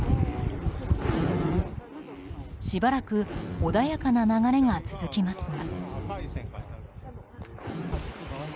しばらく穏やかな流れが続きますが。